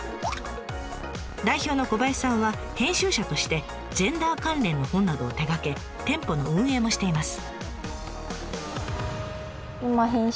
代表の小林さんは編集者としてジェンダー関連の本などを手がけ店舗の運営もしています。